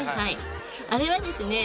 あれはですね